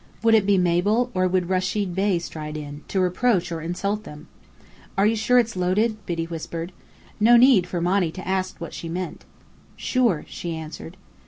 Would it be Mabel, or would Rechid Bey stride in, to reproach or insult them? "Are you sure it's loaded?" Biddy whispered. No need for Monny to ask what she meant. "Sure," she answered.